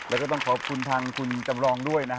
แล้วก็ต้องขอบคุณทางคุณจำลองด้วยนะฮะ